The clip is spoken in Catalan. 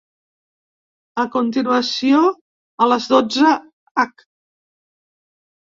A continuació, a les dotze h.